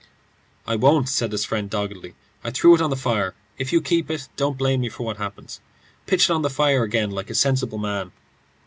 "I won't," said his friend, doggedly. "I threw it on the fire. If you keep it, don't blame me for what happens. Pitch it on the fire again like a sensible man."